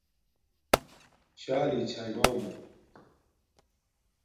شݳ رِݵ چھݳئی مݳمݸ.